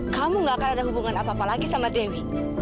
kamu gak akan ada hubungan apa apa lagi sama dewi